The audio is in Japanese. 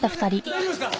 大丈夫ですか？